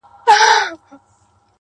نه ،نه محبوبي زما,